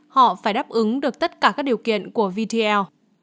họ phải đáp ứng được tất cả các điều kiện của vtel